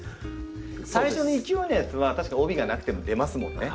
最初の勢いのやつは確かに帯がなくても出ますもんね。